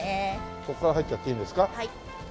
ここから入っちゃっていいんですか？